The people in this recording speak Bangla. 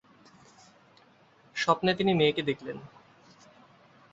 স্বপ্নে তিনি মেয়েকে দেখলেন।